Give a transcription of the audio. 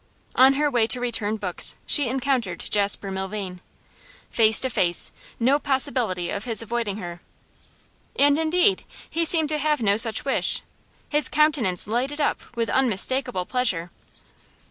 On her way to return books she encountered Jasper Milvain. Face to face; no possibility of his avoiding her. And indeed he seemed to have no such wish. His countenance lighted up with unmistakable pleasure.